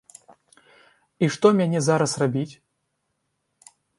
І што мяне зараз рабіць?